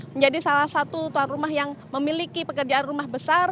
menjadi salah satu tuan rumah yang memiliki pekerjaan rumah besar